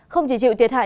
không chỉ chịu thiệt hại